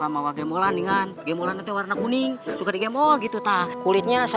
mau beli perabotan